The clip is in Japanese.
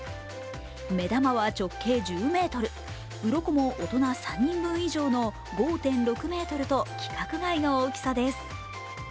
目玉は直径１０ｍ、うろこも大人３人分以上の５．６ｍと規格外の大きさです。